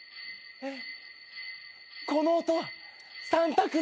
えっ！？